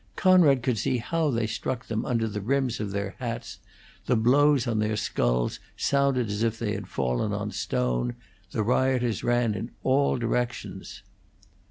Conrad could see how they struck them under the rims of their hats; the blows on their skulls sounded as if they had fallen on stone; the rioters ran in all directions.